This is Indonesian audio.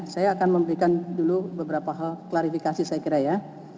saya akan memberikan dulu beberapa hal klarifikasi saya kira ya